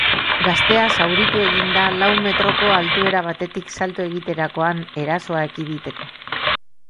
Gaztea zauritu egin da lau metroko altuera batetik salto egiterakoan erasoa ekiditeko.